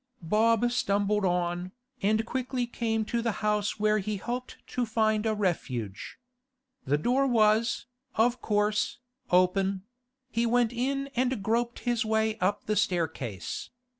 Bob stumbled on, and quickly came to the house where he hoped to find a refuge. The door was, of course, open; he went in and groped his way up the staircase.